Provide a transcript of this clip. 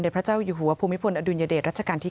เด็จพระเจ้ายิหวภูมิพลอดุนยาเดตราจการ์ที่